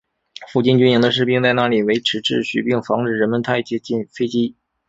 附近军营的士兵在那里维持秩序并防止人们太接近飞机。